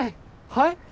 はい？